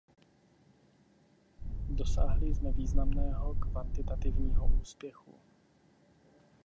Dosáhli jsme významného kvantitativního úspěchu.